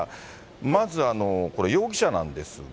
まず、これ容疑者なんですが。